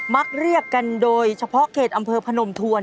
มักเรียกกันโดยเฉพาะเขตอำเภอพนมทวน